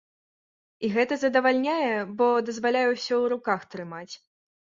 І гэта задавальняе, бо дазваляе ўсё ў руках трымаць.